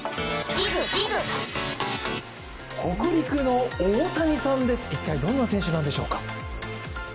北陸の大谷さんです、一体どんな選手なんでしょうか。